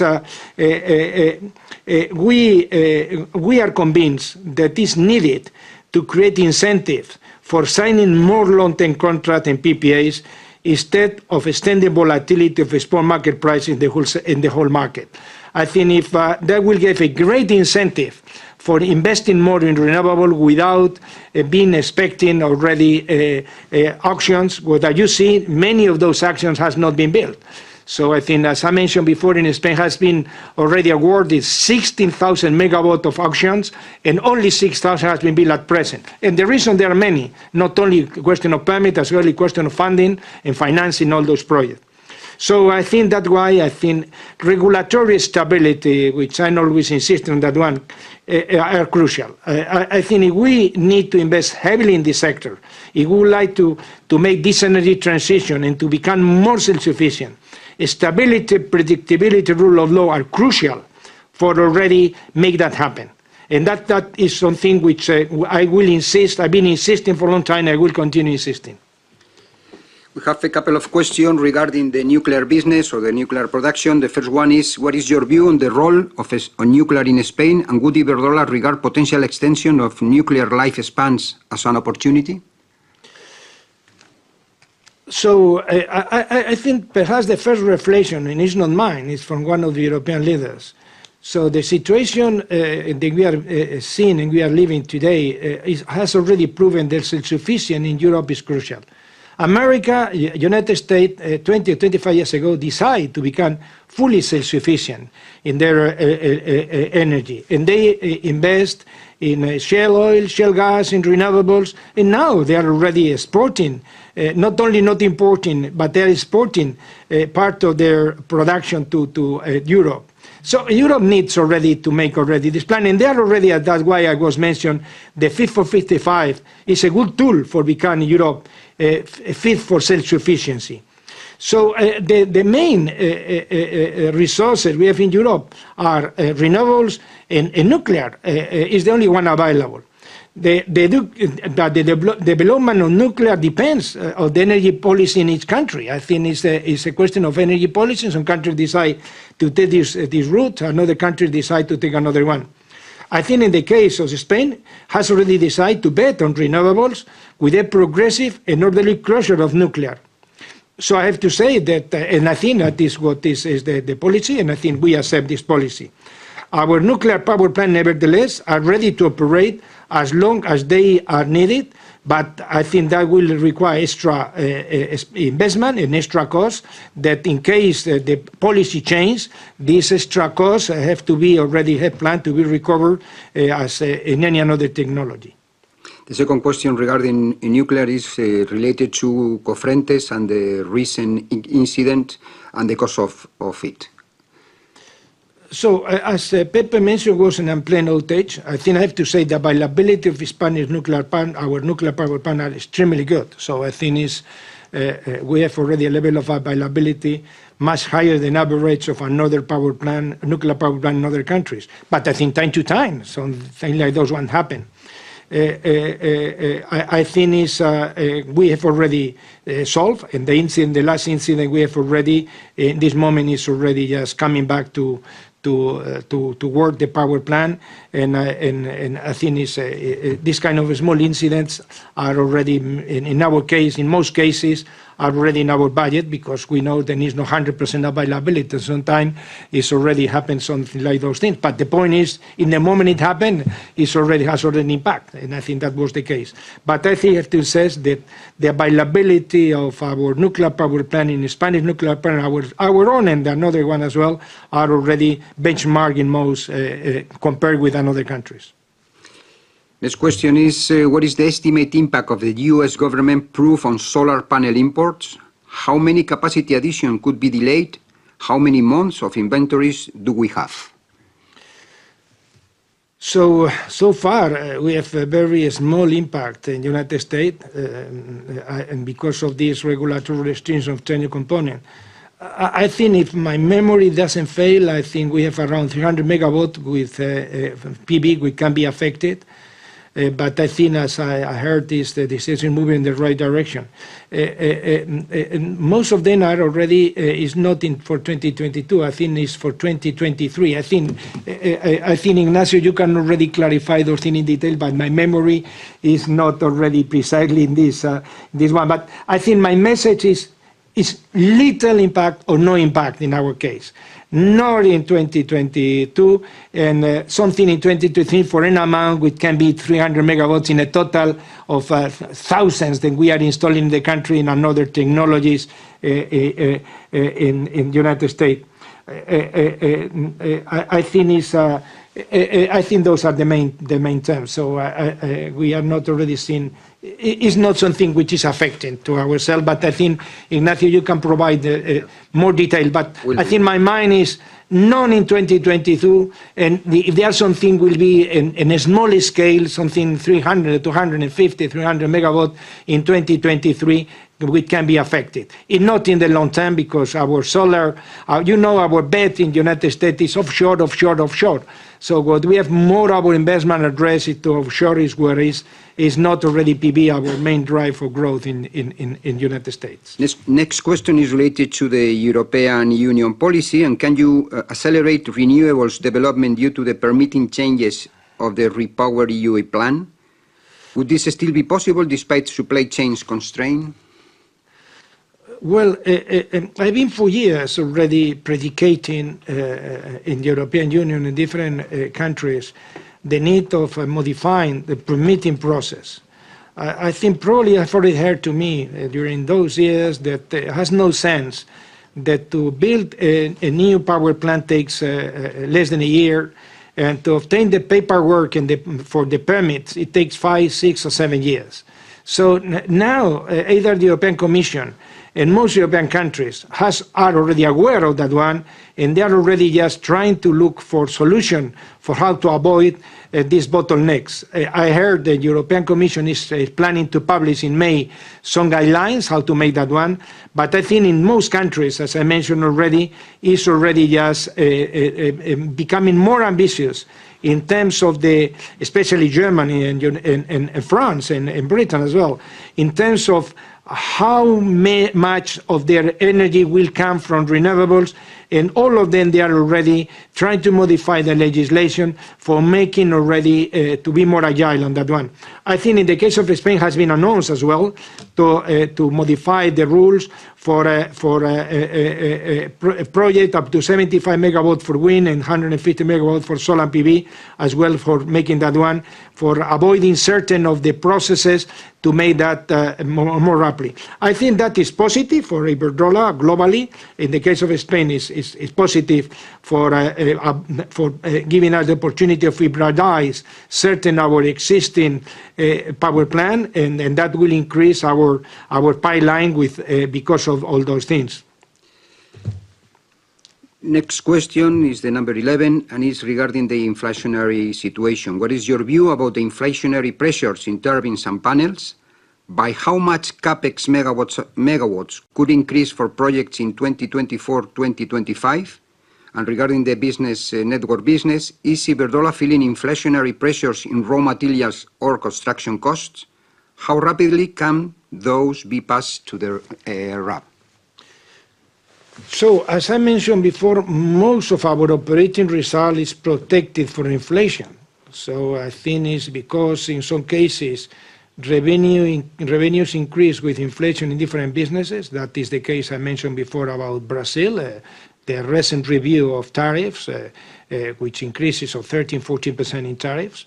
we are convinced that it's needed to create the incentive for signing more long-term contract and PPAs instead of extending volatility of the spot market price in the whole market. I think if that will give a great incentive for investing more in renewable without being expecting already auctions. Without using, many of those auctions has not been built. I think, as I mentioned before, in Spain has been already awarded 16,000 MW of auctions, and only 6,000 has been built at present. The reasons are many, not only question of permit, as well as a question of funding and financing all those projects. I think that's why I think regulatory stability, which I'm always insisting on that one, are crucial. I think if we need to invest heavily in this sector, if we would like to make this energy transition and to become more self-sufficient, stability, predictability, rule of law are crucial to already make that happen. That is something which I will insist. I've been insisting for a long time, I will continue insisting. We have a couple of question regarding the nuclear business or the nuclear production. The first one is: What is your view on the role of this, on nuclear in Spain, and would Iberdrola regard potential extension of nuclear life spans as an opportunity? I think perhaps the first reflection, and it's not mine, it's from one of the European leaders. So the situation that we are seeing and we are living today has already proven that self-sufficiency in Europe is crucial. America, United States, 20 or 25 years ago, decided to become fully self-sufficient in their energy. And they invest in shale oil, shale gas, in renewables, and now they are already exporting. Not only not importing, but they're exporting part of their production to Europe. Europe needs already to make already this plan, and they are already. That's why I mentioned the Fit for 55 is a good tool for becoming Europe fit for self-sufficiency. The main resources we have in Europe are renewables and nuclear is the only one available. The development of nuclear depends on the energy policy in each country. I think it's a question of energy policy, some countries decide to take this route, another country decide to take another one. I think in the case of Spain has already decided to bet on renewables with a progressive and orderly closure of nuclear. I have to say that, and I think that is what this is the policy, and I think we accept this policy. Our nuclear power plant, nevertheless, are ready to operate as long as they are needed. I think that will require extra investment and extra cost that in case the policy change, this extra cost have to be already had planned to be recovered, as in any other technology. The second question regarding nuclear is related to Cofrentes and the recent incident and the cost of it. Pepe mentioned, it wasn't unplanned outage. I think I have to say the availability of Spanish nuclear plant, our nuclear power plant are extremely good. I think we have already a level of availability much higher than other rates of another power plant, nuclear power plant in other countries. But I think time to time, some things like those one happen. I think we have already solved, and the incident, the last incident we have already, this moment is already just coming back to work the power plant. I think this kind of small incidents are already in our case, in most cases, are already in our budget because we know there is no 100% availability. Sometimes it's already happened, something like those things. The point is, in the moment it happened, it already has impact, and I think that was the case. I think it says the availability of our nuclear power plant and Spanish nuclear power, our own and another one as well, are already benchmarking most compared with other countries. Next question is, what is the estimated impact of the U.S. government probe on solar panel imports? How many capacity addition could be delayed? How many months of inventories do we have? So far, we have a very small impact in the United States, and because of this regulatory extensions of ten-year component. I think if my memory doesn't fail, I think we have around 300 MW with PV which can be affected. But I think as I heard this, the decision moving in the right direction, and most of them are already is not in for 2022. I think it's for 2023. I think, Ignacio, you can already clarify those thing in detail, but my memory is not already precisely in this this one. I think my message is little impact or no impact in our case. Not in 2022, and something in 2023 for an amount which can be 300 MW in a total of thousands that we are installing in the country in other technologies in United States. I think those are the main terms. We have not already seen. It's not something which is affecting ourselves, but I think, Ignacio, you can provide more detail. But Will do. I think in my mind, it's none in 2022, if there is something, it will be in a small scale, something 250-300 MW in 2023 which can be affected. Not in the long term because our solar, you know, our bet in United States is offshore. What we have most our investment addressed to offshore is where it is not already PV our main drive for growth in United States. This next question is related to the European Union policy, and can you accelerate renewables development due to the permitting changes of the REPowerEU plan? Would this still be possible despite supply chain constraints? Well, I've been for years already predicating in European Union and different countries the need of modifying the permitting process. I think probably it's already been said to me during those years that it has no sense that to build a new power plant takes less than a year, and to obtain the paperwork and the for the permits, it takes five, six or seven years. Now either the European Commission and most European countries are already aware of that one, and they are already just trying to look for solution for how to avoid these bottlenecks. I heard the European Commission is planning to publish in May some guidelines how to make that one. I think in most countries, as I mentioned already, is already just becoming more ambitious in terms of the, especially Germany and France and Britain as well, in terms of how much of their energy will come from renewables. All of them, they are already trying to modify the legislation for making already to be more agile on that one. I think in the case of Spain has been announced as well to modify the rules for a project up to 75 MW for wind and 150 MW for solar PV as well for making that one, for avoiding certain of the processes to make that more rapidly. I think that is positive for Iberdrola globally. In the case of Spain, it is positive for giving us the opportunity to reprivatize certain of our existing power plant, and that will increase our pipeline because of all those things. Next question is the number 11, and it's regarding the inflationary situation. What is your view about the inflationary pressures in turbines and panels? By how much CapEx megawatts could increase for projects in 2024, 2025? And regarding the business, network business, is Iberdrola feeling inflationary pressures in raw materials or construction costs? How rapidly can those be passed to the RAB? As I mentioned before, most of our operating result is protected for inflation. I think it's because in some cases, revenues increase with inflation in different businesses. That is the case I mentioned before about Brazil. Their recent review of tariffs, which increases of 13%, 14% in tariffs.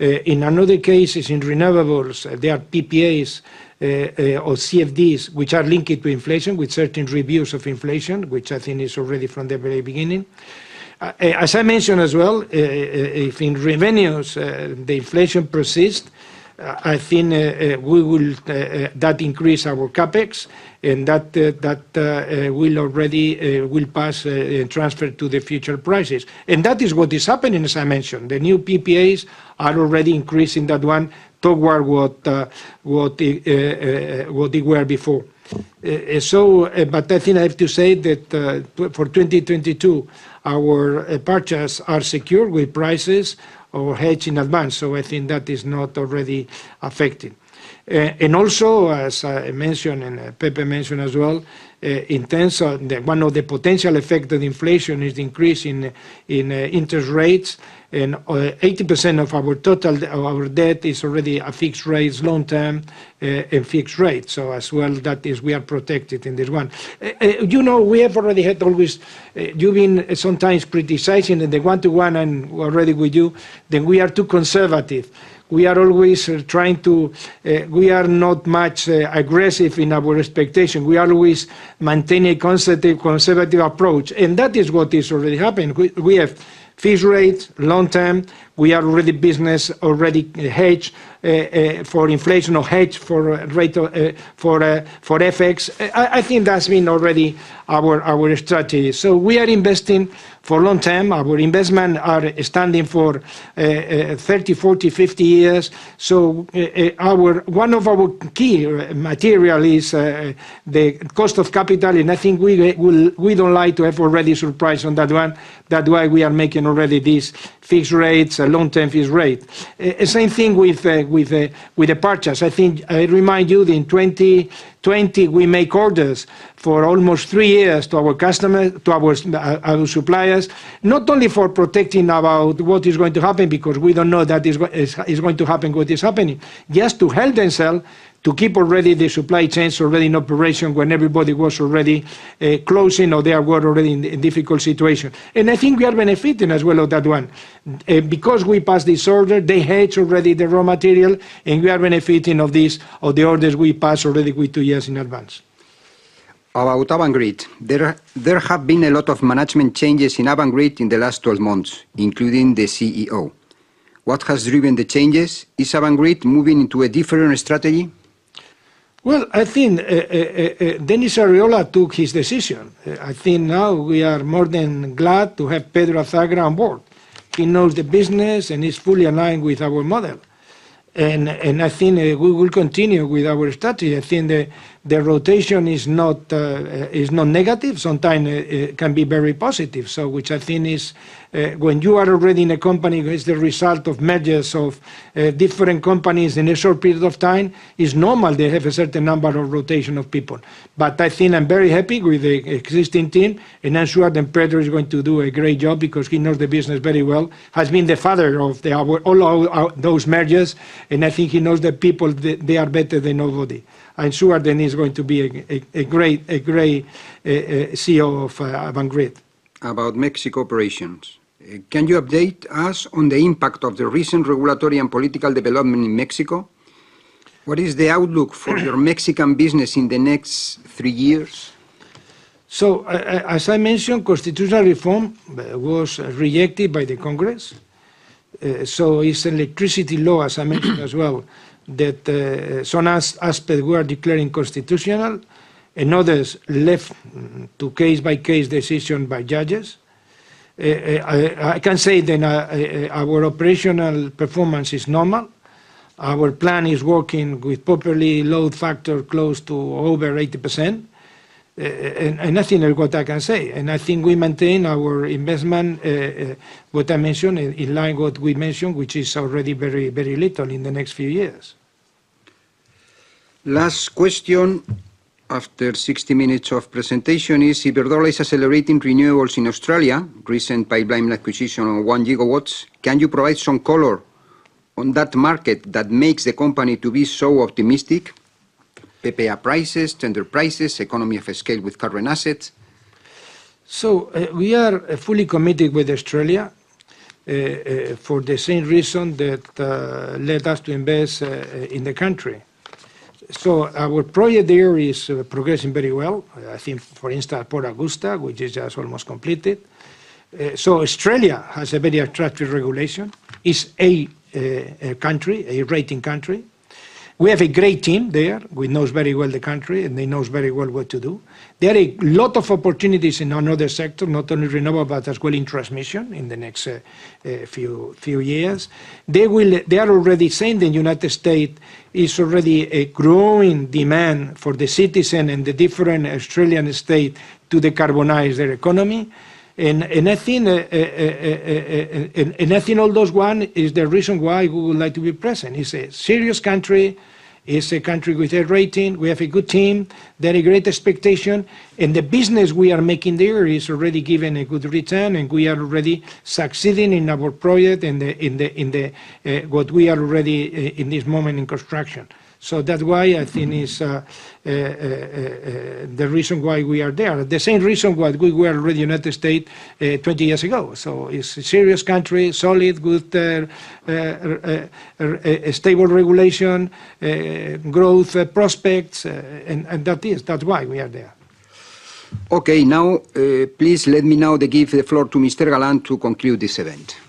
In another case is in renewables. There are PPAs or CFDs which are linked to inflation with certain reviews of inflation, which I think is already from the very beginning. As I mentioned as well, if in revenues the inflation persist, I think we will increase our CapEx and that will already pass transfer to the future prices. That is what is happening, as I mentioned. The new PPAs are already increasing that one toward what they were before. I think I have to say that for 2022, our purchases are secure with prices or hedged in advance. I think that is not already affected. Also, as I mentioned, and Pepe mentioned as well, in terms of one of the potential effects of inflation is increase in interest rates and 80% of our total debt is already a fixed rate, it's long-term, a fixed rate. As well, that is, we are protected in this one. You know, we have always had, you've been sometimes criticizing in the one-to-one and already with you, that we are too conservative. We are not very aggressive in our expectation. We always maintain a conservative approach. That is what is already happening. We have fixed-rate long-term. We are already business hedged for inflation or hedged for rate for FX. I think that's already been our strategy. We are investing for long-term. Our investment are standing for 30, 40, 50 years. One of our key material is the cost of capital. I think we don't like to have any surprise on that one. That's why we are already making these fixed rates, long-term fixed rate. Same thing with the purchase. I think I remind you that in 2020 we make orders for almost three years to our customer, to our suppliers, not only for protecting about what is going to happen because we don't know what is going to happen what is happening. Just to help themselves to keep already the supply chains already in operation when everybody was closing or they were in difficult situation. I think we are benefiting as well on that one. Because we passed this order, they hedge already the raw material, and we are benefiting of this, of the orders we passed already with two years in advance. About Avangrid. There have been a lot of management changes in Avangrid in the last 12 months, including the CEO. What has driven the changes? Is Avangrid moving into a different strategy? Well, I think Dennis Arriola took his decision. I think now we are more than glad to have Pedro Azagra on board. He knows the business and he's fully aligned with our model. I think we will continue with our strategy. I think the rotation is not negative. Sometimes it can be very positive. Which I think is when you are already in a company, which is the result of mergers of different companies in a short period of time, it's normal they have a certain number of rotation of people. I think I'm very happy with the existing team, and I'm sure that Pedro is going to do a great job because he knows the business very well. has been the father of all our mergers, and I think he knows the people there better than anybody. I'm sure Dennis is going to be a great CEO of Avangrid. About Mexico operations. Can you update us on the impact of the recent regulatory and political development in Mexico? What is the outlook for your Mexican business in the next three years? As I mentioned, constitutional reform was rejected by the Congress. It's electricity law, as I mentioned as well, that some aspect we are declaring constitutional and others left to case-by-case decision by judges. I can say then our operational performance is normal. Our plant is working with proper load factor close to over 80%. That's, you know, what I can say. I think we maintain our investment, what I mentioned, in line with what we mentioned, which is already very, very little in the next few years. Last question, after 60 minutes of presentation, is Iberdrola accelerating renewables in Australia, recent pipeline acquisition of 1 GW. Can you provide some color on that market that makes the company to be so optimistic, PPA prices, tender prices, economies of scale with current assets? We are fully committed with Australia for the same reason that led us to invest in the country. Our project there is progressing very well. I think, for instance, Port Augusta, which is just almost completed. Australia has a very attractive regulation. It's A country, A-rating country. We have a great team there who knows very well the country and they know very well what to do. There are a lot of opportunities in another sector, not only renewable, but as well in transmission in the next few years. They are already saying there is already a growing demand for the citizens in the different Australian states to decarbonize their economy. I think all those one is the reason why we would like to be present. It's a serious country. It's a country with a rating. We have a good team. There are great expectation. The business we are making there is already giving a good return, and we are already succeeding in our project in the what we are already in this moment in construction. That's why I think it's the reason why we are there. The same reason why we were in the United States 20 years ago. It's a serious country, solid, good, stable regulation, growth prospects, and that's why we are there. Now, please let me now give the floor to Mr. Galán to conclude this event.